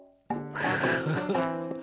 フフフ。